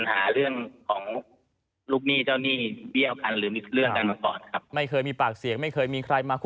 แต่ที่ผ่านมาเขาก็ไม่เคยมีปัญหา